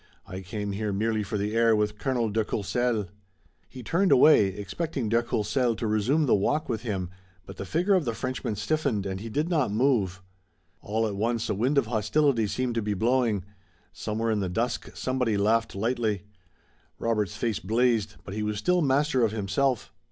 I came here merely for the air with Colonel de Courcelles." He turned away, expecting de Courcelles to resume the walk with him, but the figure of the Frenchman stiffened and he did not move. All at once a wind of hostility seemed to be blowing. Somewhere in the dusk, somebody laughed lightly. Robert's face blazed, but he was still master of himself.